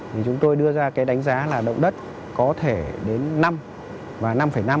thì chúng tôi đưa ra cái đánh giá là động đất có thể đến năm và năm năm